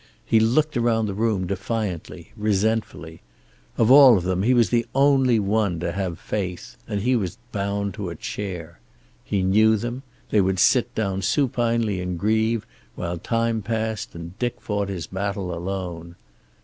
He looked around the room defiantly, resentfully. Of all of them he was the only one to have faith, and he was bound to a chair. He knew them. They would sit down supinely and grieve, while time passed and Dick fought his battle alone.